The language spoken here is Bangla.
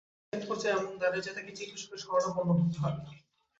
পরিস্থিতি একপর্যায়ে এমন দাঁড়ায় যে তাঁকে চিকিৎসকের শরণাপন্ন হতে হয়।